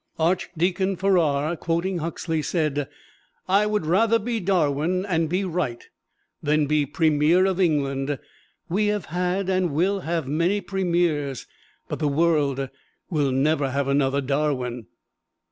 Archdeacon Farrar, quoting Huxley, said, "I would rather be Darwin and be right than be Premier of England we have had and will have many Premiers, but the world will never have another Darwin."